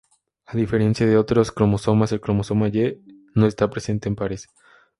A diferencia de otros cromosomas, el cromosoma Y no está presente en pares.